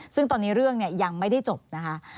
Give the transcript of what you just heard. ซึ่งตอนนี้เรื่องยังไม่ได้จบนะคะ